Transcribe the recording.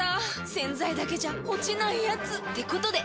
⁉洗剤だけじゃ落ちないヤツってことで。